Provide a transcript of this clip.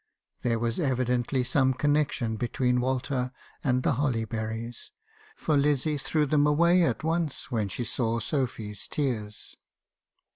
Theje was evidently some connection between Walter and the holly berries, for Lizzie threw them away at once when she saw Sophy's tears.